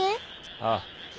ああ。